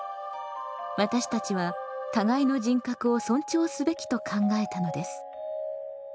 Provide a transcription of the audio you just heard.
私たちは互いの人格を尊重すべきと考えたのです。